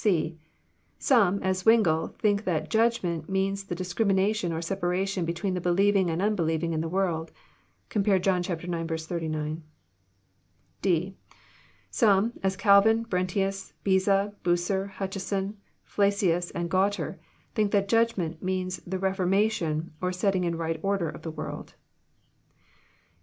(c) Some, as Zwlngle, think that Judgment" means the dis crimination or separation between the believing and the unbe lieving in the world. (^Compare John Ix. 39.) (d) Some, as Calvin, Brentius, Beza, Bucer, Hutcheson, Flacius, andGualter, think that *< judgment" means the reforma tion, or setting In right order of the world.